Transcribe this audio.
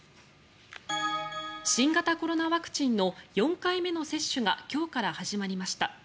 新型コロナワクチンの４回目の接種が今日から始まりました。